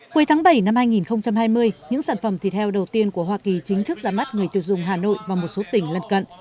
cuối tháng bảy năm hai nghìn hai mươi những sản phẩm thịt heo đầu tiên của hoa kỳ chính thức ra mắt người tiêu dùng hà nội và một số tỉnh lân cận